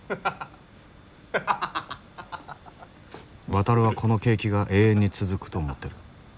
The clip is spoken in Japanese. ワタルはこの景気が永遠に続くと思ってる。